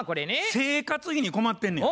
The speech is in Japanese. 生活費に困ってんねや。